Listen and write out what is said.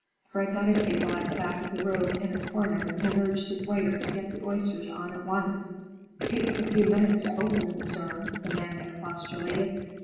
Fred got a table at the back of the room, in a corner, and urged his waiter to get the oysters on at once. "Takes a few minutes to open them, sir," the man expostulated.